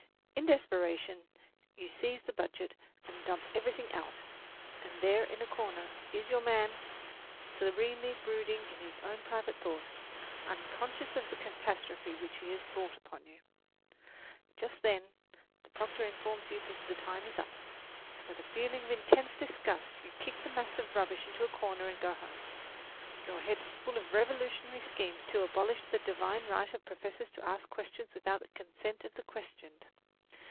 In desperation you seize the budget and dump everything out, and there in a corner is your man, serenely brooding on his own private thought, unconscious of the catastrophe which he has brought upon you. Just then the proctor informs you that the time is up. With a feeling of intense disgust you kick the mass of rubbish into a corner and go home, your head full of revolutionary schemes to abolish the divine right of professors to ask questions without the consent of the questioned.